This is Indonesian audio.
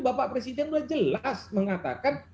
bapak presiden sudah jelas mengatakan